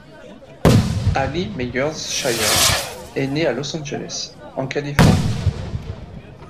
Hallie Meyers-Shyer est née à Los Angeles, en Californie.